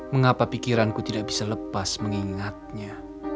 mengapa pikiranku tidak bisa lepas mengingatnya